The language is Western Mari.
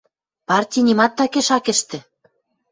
Парти нимат такеш ак ӹштӹ.